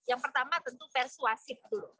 yang pertama tentu persuasif tuh